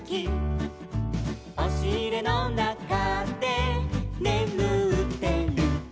「おしいれのなかでねむってる」